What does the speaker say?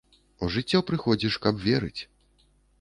У жыццё прыходзіш, каб верыць.